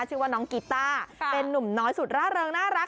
ชื่อว่าน้องกีต้าเป็นนุ่มน้อยสุดร่าเริงน่ารัก